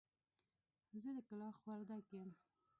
زه د کلاخ وردک يم.